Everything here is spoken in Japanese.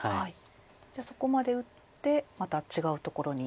じゃあそこまで打ってまた違うところに。